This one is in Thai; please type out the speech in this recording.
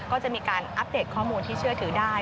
ก็จะมีการอัปเดตข้อมูลที่เชื่อถือได้